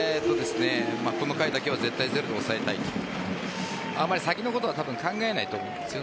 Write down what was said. この回だけは絶対ゼロで抑えたいとあまり先のことは考えないと思うんです。